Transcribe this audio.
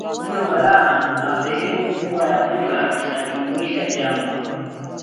Mto Galana na Sehemu kubwa ya mbuga inajumuisha jangwa